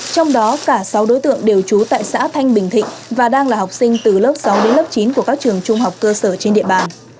trong đó cả sáu đối tượng đều trú tại xã thanh bình thịnh và đang là học sinh từ lớp sáu đến lớp chín của các trường trung học cơ sở trên địa bàn